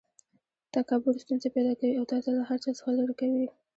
تکبر ستونزي پیدا کوي او تاسي له هر چا څخه ليري کوي.